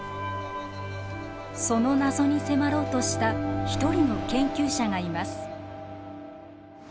その謎に迫ろうとした一人の研究者がいます。